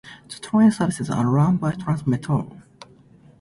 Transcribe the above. The train services are run by Tranz Metro.